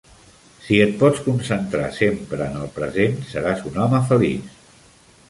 Si et pots concentrar sempre en el present, seràs un home feliç.